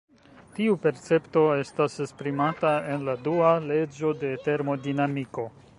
Tiu percepto estas esprimata en la dua leĝo de termodinamiko.